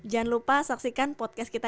jangan lupa saksikan podcast kita